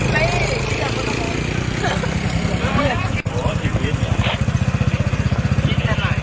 ที่เลือดครับดีไม้ได้หรอก